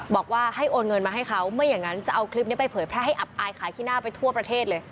บอกว่าให้โอนเงินมาให้เขาไม่อย่างนั้นจะเอาคลิปนี้ไปเผยแพร่ให้อับอายขายขี้หน้าไปทั่วประเทศเลย